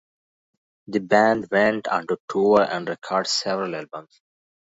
The band went on to tour and record several albums.